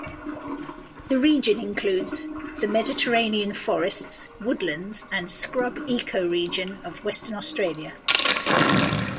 The region includes the Mediterranean forests, woodlands, and scrub ecoregion of Western Australia.